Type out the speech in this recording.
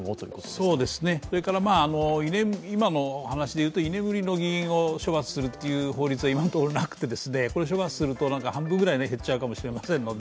そうですね、それから今の話でいうと居眠りの議員を処罰するという法律は今のところなくて処罰するは半分ぐらいに減っちゃうかもしれませんので。